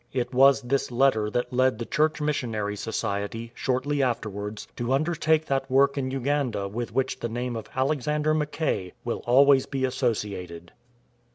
It was this letter that led the Church Missionary Society, shortly afterwards, to undertake that work in Uganda with which the name of Alexander Mackay will always be associated.